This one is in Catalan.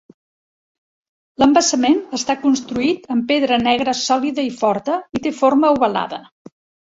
L"embassament està construït amb pedra negra sòlida i forta, i té forma ovalada.